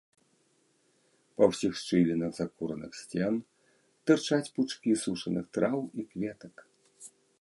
Па ўсіх шчылінах закураных сцен тырчаць пучкі сушаных траў і кветак.